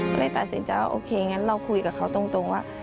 ก็เลยตัดสินใจว่าโอเคงั้นเราคุยกับเขาตรงว่า